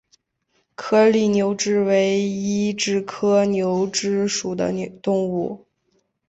颗粒牛蛭为医蛭科牛蛭属的动物。